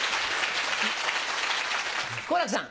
好楽さん。